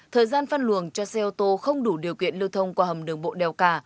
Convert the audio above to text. thời gian phân luồng cho xe ô tô không đủ điều kiện lưu thông qua hầm đường bộ đèo cả